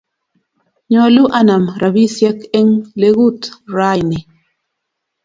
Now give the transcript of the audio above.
Nyolu anem rabisiek eng legut raa iini